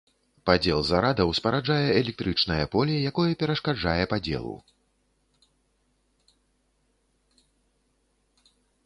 Падзел зарадаў спараджае электрычнае поле, якое перашкаджае падзелу.